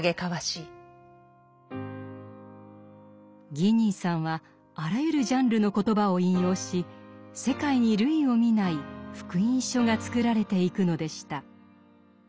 ギー兄さんはあらゆるジャンルの言葉を引用し世界に類を見ない福音書が作られていくのでした。